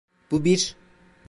Bu bir...